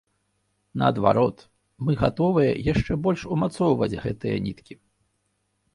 Наадварот, мы гатовыя яшчэ больш умацоўваць гэтыя ніткі.